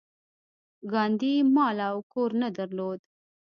ګاندي مال او کور نه درلود.